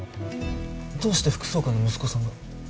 どうして副総監の息子さんが？